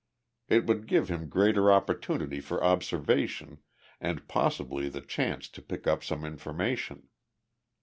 It would give him greater opportunity for observation and possibly the chance to pick up some information.